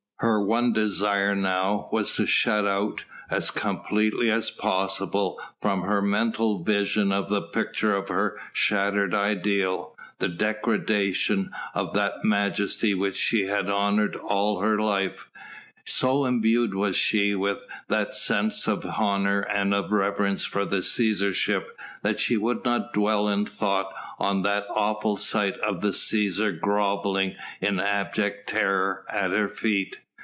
Her one desire now was to shut out, as completely as possible from her mental vision the picture of her shattered ideal, the degradation of that majesty which she had honoured all her life. So imbued was she with that sense of honour and of reverence for the Cæsarship, that she would not dwell in thought on that awful sight of the Cæsar grovelling in abject terror at her feet.